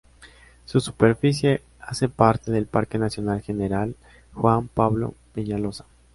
Su superficie hace parte del Parque Nacional General Juan Pablo Peñaloza.